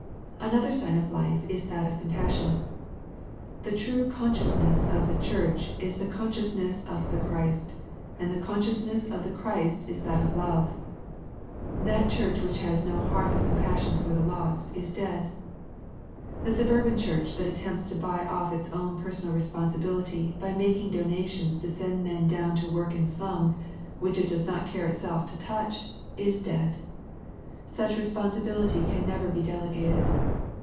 Another sign of life is that of compassion. The true consciousness of the Church is the consciousness of the Christ, and the conscious ness of the Christ is that of love. That church which has no heart of compassion for the lost, is dead. The suburban church that attempts to buy off its own personal responsibility by making donations to send men down to work The Sardis Letter 153 in slums which it does not care itself to touch, is dead. Such responsibility can never be dele gated.